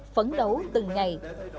phấn đấu từng ngày